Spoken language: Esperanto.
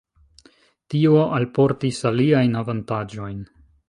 Tio alportis aliajn avantaĝojn.